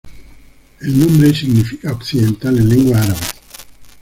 El nombre significa "occidental" en lengua árabe.